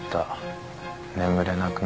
眠れなくなった。